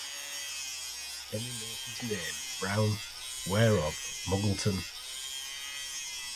‘Any maker’s name?’ ‘Brown.’ ‘Where of?’ ‘Muggleton'.